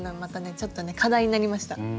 ちょっとね課題になりました。